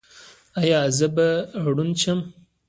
ایا زه به ړوند شم؟